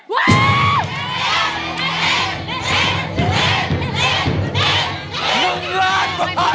๑ล้านบาท